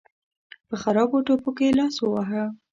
په خرابو ټوپکو يې لاس وواهه.